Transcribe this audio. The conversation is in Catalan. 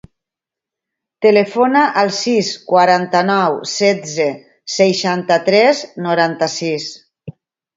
Telefona al sis, quaranta-nou, setze, seixanta-tres, noranta-sis.